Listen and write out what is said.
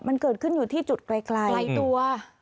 มันเกิดขึ้นอยู่ที่จุดไกลตัว